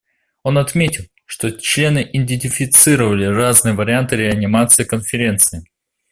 Он отметил, что члены идентифицировали разные варианты реанимации Конференции.